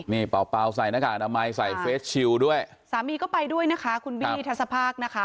นี่เป่าเปล่าใส่หน้ากากอนามัยใส่เฟสชิลด้วยสามีก็ไปด้วยนะคะคุณบี้ทัศภาคนะคะ